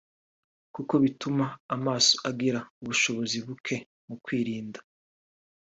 kuko bituma amaso agira ubushobozi buke mu kwirinda